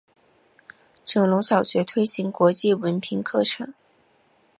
九龙小学推行国际文凭课程。